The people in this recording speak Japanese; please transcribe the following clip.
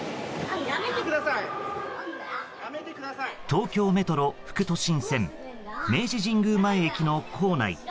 東京メトロ副都心線明治神宮前駅の構内。